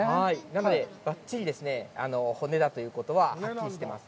なので、ばっちり骨だということははっきりしています。